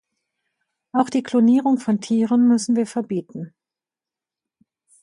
Auch die Klonierung von Tieren müssen wir verbieten.